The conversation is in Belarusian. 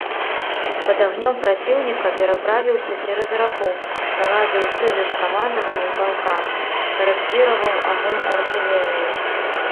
Пад агнём праціўніка пераправіўся цераз раку, наладзіў сувязь з камандаваннем палка, карэкціраваў агонь артылерыі.